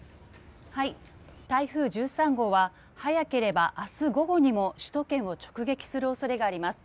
台風１３号は早ければ明日午後にも首都圏を直撃する恐れがあります。